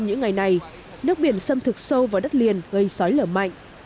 nhưng thực sâu vào đất liền gây sói lở mạnh